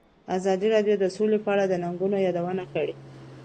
ازادي راډیو د سوله په اړه د ننګونو یادونه کړې.